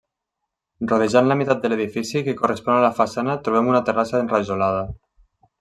Rodejant la meitat de l'edifici que correspon a la façana trobem una terrassa enrajolada.